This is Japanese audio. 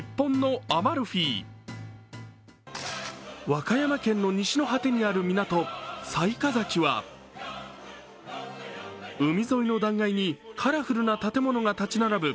和歌山県の西の果てにある港雑賀崎は海沿いの断崖にカラフルな建物が立ち並ぶ